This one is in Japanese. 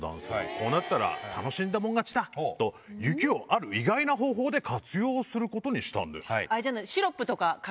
こうなったら楽しんだ者勝ちだ！と雪をある意外な方法で活用することにしたんです。